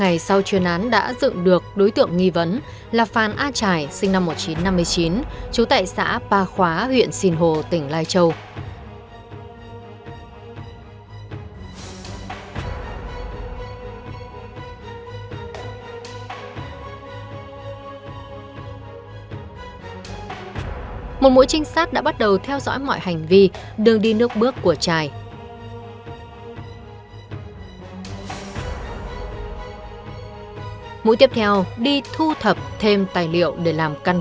hãy đăng kí cho kênh lalaschool để không bỏ lỡ những video hấp dẫn